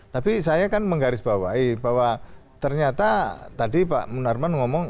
tapi saya kan menggarisbawahi bahwa ternyata tadi pak munarman ngomong